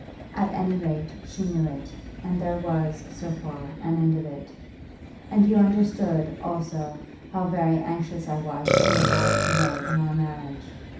At any rate, she knew it, and there was, so far, an end of it. And you understood, also, how very anxious I was to avoid delay in our marriage.